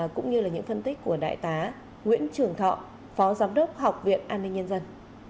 cũng như là những phân tích của đại tá nguyễn trường thọ phó giám đốc học viện an ninh nhân dân